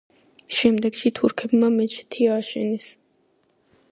შემდეგში თურქებმა მეჩეთი ააშენეს.